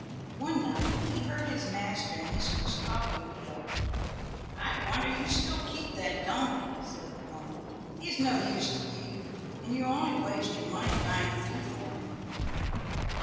One night he heard his master and mistress talking together. "I wonder you still keep that donkey," said the woman; "he is of no use to you, and you only waste your money buying food for him."